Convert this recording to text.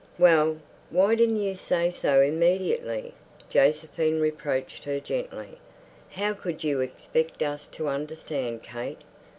"Well, why didn't you say so immediately?" Josephine reproached her gently. "How could you expect us to understand, Kate?